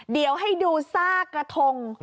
เดี๋ยวให้ดูซากกระทง